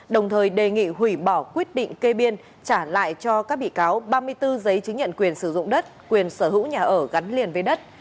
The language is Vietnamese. đồng thời đề nghị hủy bỏ quyết định kê biên trả lại cho các bị cáo ba mươi bốn giấy chứng nhận quyền sử dụng đất quyền sở hữu nhà ở gắn liền với đất